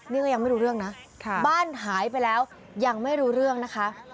นี่ก็ยังไม่รู้เรื่องนะบ้านหายไปแล้วยังไม่รู้เรื่องนะคะ